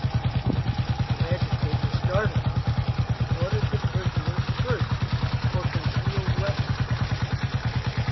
The magistrate was startled, and ordered the prisoner searched for concealed weapons.